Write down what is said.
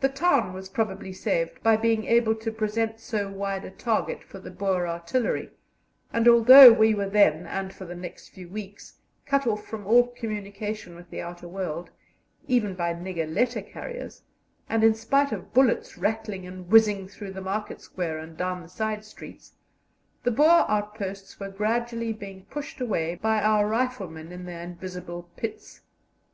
The town was probably saved by being able to present so wide a target for the Boer artillery, and although we were then, and for the next few weeks, cut off from all communication with the outer world, even by nigger letter carriers, and in spite of bullets rattling and whizzing through the market square and down the side streets, the Boer outposts were gradually being pushed away by our riflemen in their invisible pits.